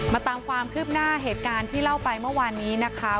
ตามความคืบหน้าเหตุการณ์ที่เล่าไปเมื่อวานนี้นะคะ